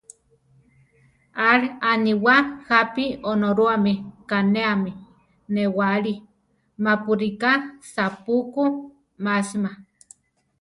Aʼl aníwa jápi Onorúame kanéami newáli, mapu ríka sapú ku másima.